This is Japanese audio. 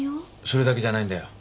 それだけじゃないんだよ。